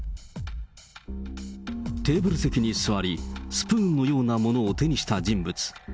テーブル席に座り、スプーンのようなものを手にした人物。